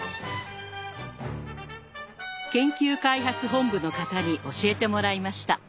研究開発本部の方に教えてもらいました。